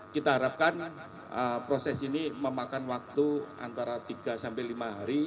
kita harapkan proses ini memakan waktu antara tiga sampai lima hari